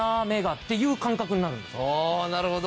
あなるほど。